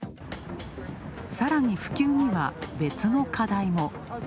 さらに普及には別の課題も。